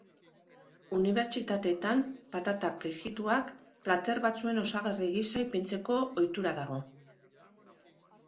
Unibertsitateetan patata frijituak plater batzuen osagarri gisa ipintzeko ohitura dago.